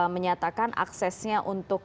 menyatakan aksesnya untuk